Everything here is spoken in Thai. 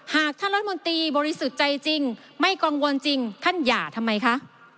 หากท่านรัฐมนตรีบริสุทธิ์ใจจริงไม่กังวลจริงท่านหย่าทำไมคะ